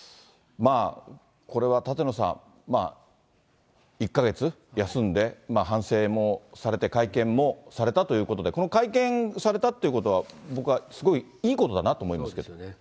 これは舘野さん、１か月休んで、反省もされて、会見もされたということで、この会見されたということは、僕はすごいいいことだなと思いますけど。